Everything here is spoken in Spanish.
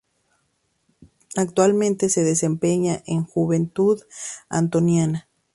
Actualmente se desempeña en Juventud Antoniana.